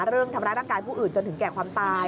เรื่องทำร้ายร่างกายผู้อื่นจนถึงแก่ความตาย